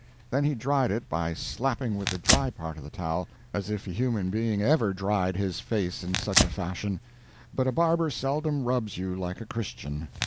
Then he dried it by slapping with the dry part of the towel, as if a human being ever dried his face in such a fashion; but a barber seldom rubs you like a Christian.